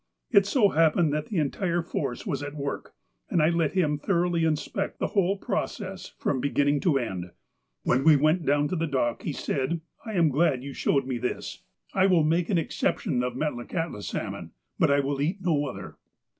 It so happened that the entire force was at work, and I let him thoroughly inspect the whole process from beginning to end. When we went down to the dock, he said :" I am glad you showed me this. I will make an ex 356 THE APOSTLE OF ALASKA ception of Metlakalitla salmon. But I will eat no other."